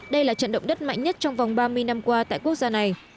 đây là trận động đất mạnh nhất trong vòng ba mươi năm qua tại quốc gia này